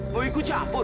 mau ikut campur